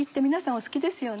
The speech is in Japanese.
お好きですよね。